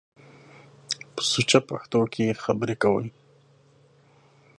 په سوچه پښتو کښ خبرې کوٸ۔